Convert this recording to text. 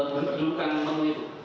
dudukan menu itu